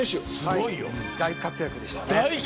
大活躍でしたね。